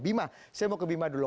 bima saya mau ke bima dulu